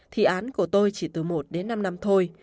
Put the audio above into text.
thì án của tôi chỉ từ một đến năm năm thôi